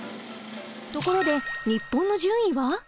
ところで日本の順位は？